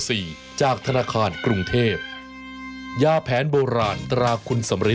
กลับมาเจอกันทางไทยรัฐทีวีวันนี้มากัน๖โมง๒๐นาที